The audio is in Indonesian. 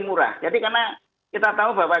murah jadi karena kita tahu bahwa